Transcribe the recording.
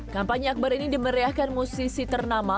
kampanye akbar ini dimeriahkan musisi ternama